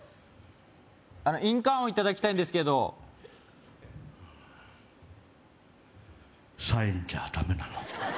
印鑑をいただきたいんですけどサインじゃダメなの？